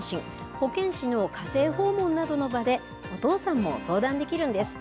保健師の家庭訪問などの場で、お父さんも相談できるんです。